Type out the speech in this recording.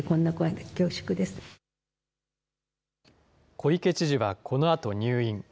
小池知事はこのあと入院。